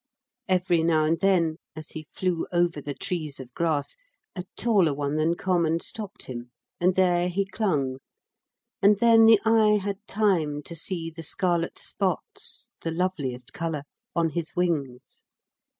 Every now and then, as he flew over the trees of grass, a taller one than common stopped him, and there he clung, and then the eye had time to see the scarlet spots the loveliest colour on his wings.